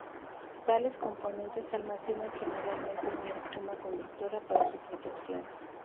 Tales componentes se almacenan generalmente en una espuma conductora para su protección.